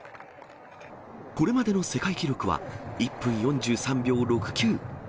これまでの世界記録は１分４３秒６９。